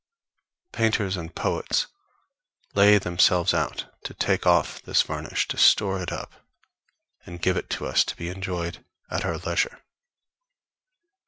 Painters and poets lay themselves out to take off this varnish, to store it up, and give it us to be enjoyed at our leisure.